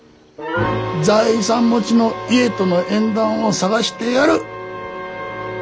財産持ちの家との縁談を探してやる。